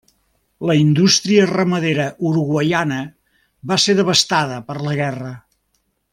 La indústria ramadera uruguaiana va ser devastada per la guerra.